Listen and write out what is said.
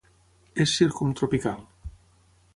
És circumtropical.